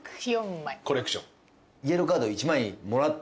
コレクション。